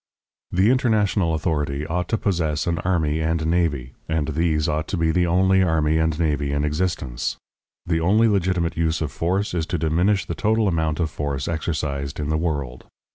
The international authority ought to possess an army and navy, and these ought to be the only army and navy in existence. The only legitimate use of force is to diminish the total amount of force exercised in the world.